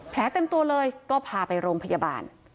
เต็มตัวเลยก็พาไปโรงพยาบาล